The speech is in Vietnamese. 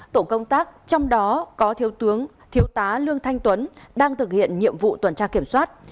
tổ công tác trong đó có thiếu tướng thiếu tá lương thanh tuấn đang thực hiện nhiệm vụ tuần tra kiểm soát